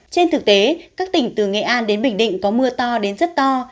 trên thực tế các tỉnh từ nghệ an đến bình định có mưa to đến rất to